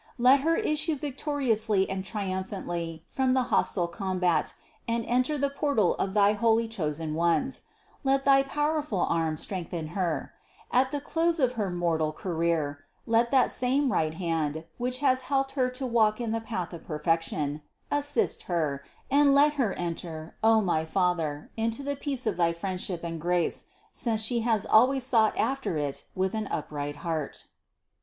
Let her issue victoriously and triumphantly from the hostile combat and enter the por tal of thy holy chosen ones; let thy powerful arm strengthen her; at the close of her mortal career, let that same right hand, which has helped her to walk in the path of perfection, assist her, and let her enter, O my Father, into the peace of thy friendship and grace, since she has always sought after it with an upright heart" 719.